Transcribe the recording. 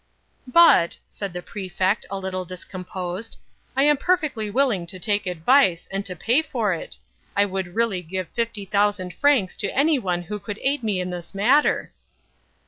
'" "But," said the Prefect, a little discomposed, "I am perfectly willing to take advice, and to pay for it. I would really give fifty thousand francs to any one who would aid me in the matter."